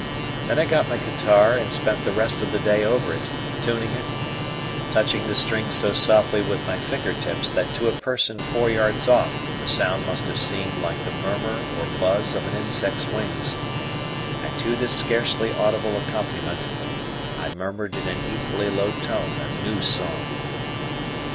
Then I got my guitar and spent the rest of the day over it, tuning it, touching the strings so softly with my finger tips that to a person four yards off the sound must have seemed like the murmur or buzz of an insect's wings; and to this scarcely audible accompaniment I murmured in an equally low tone a new song.